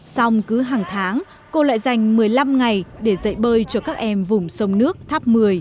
xong cứ hàng tháng cô lại dành một mươi năm ngày để dạy bơi cho các em vùng sông nước tháp một mươi